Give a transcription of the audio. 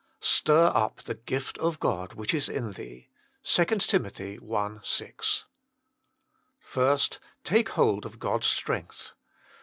"Stir up the gift of God which is in thee." 2 TIM. i. 6. First, take hold of God s strength.